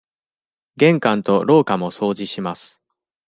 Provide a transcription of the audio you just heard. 玄関と廊下も掃除します。